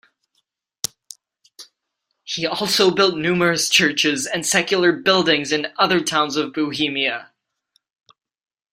He also built numerous churches and secular buildings in other towns of Bohemia.